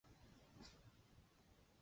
后被举荐为孝廉。